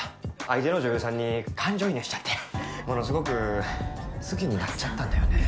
相手の女優さんに感情移入しちゃってものすごく好きになっちゃったんだよね。